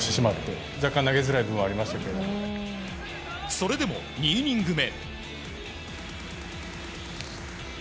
それでも２イニング目。